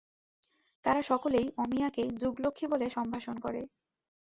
তারা সকলেই অমিয়াকে যুগলক্ষ্মী বলে সম্ভাষণ করে।